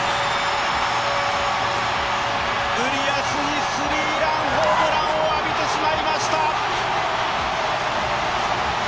ウリアスにスリーランホームランを浴びてしまいました。